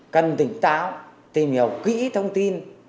cần tỉnh táo tìm hiểu kỹ thông tin